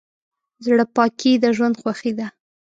زړه پاکي د ژوند خوښي ده.